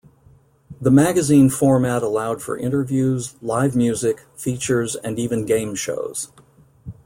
The magazine format allowed for interviews, live music, features and even game shows.